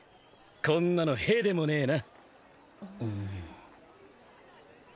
こんなのへへでもねえな。